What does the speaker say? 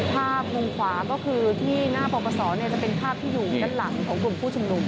ภาพมุมขวาก็คือที่หน้าปปศจะเป็นภาพที่อยู่ด้านหลังของกลุ่มผู้ชุมนุม